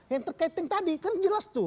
yang terkaitin tadi kan jelas tuh